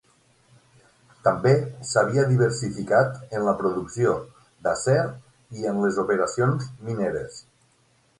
També s'havia diversificat en la producció d'acer i en les operacions mineres.